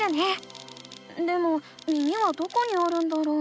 でも耳はどこにあるんだろう？